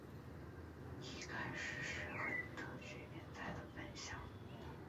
一开始是亨特学院在的分校。